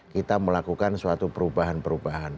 kita melakukan suatu perubahan perubahan